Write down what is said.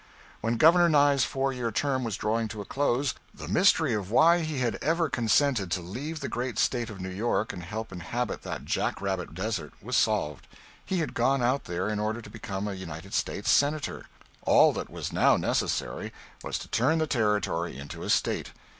When Governor Nye's four year term was drawing to a close, the mystery of why he had ever consented to leave the great State of New York and help inhabit that jack rabbit desert was solved: he had gone out there in order to become a United States Senator. All that was now necessary was to turn the Territory into a State.